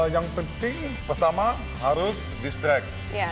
yang penting pertama harus dis drag